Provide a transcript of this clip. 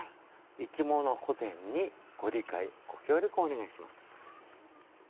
生き物保全にご理解ご協力をお願いします。